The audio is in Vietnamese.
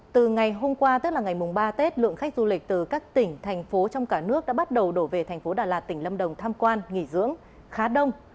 từ ngày hôm qua tức là ngày ba tết lượng khách du lịch từ các tỉnh thành phố trong cả nước đã bắt đầu đổ về thành phố đà lạt tỉnh lâm đồng tham quan nghỉ dưỡng khá đông